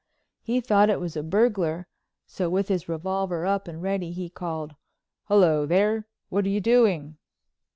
He thought it was a burglar, so, with his revolver up and ready, he called: "Hello, there. What are you doing?"